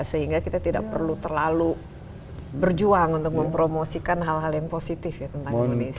sehingga kita tidak perlu terlalu berjuang untuk mempromosikan hal hal yang positif ya tentang indonesia